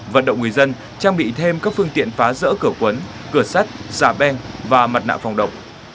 vận động người dân trang bị thêm các phương tiện phá rỡ cửa quấn cửa sắt giả ben và mặt nạ phòng động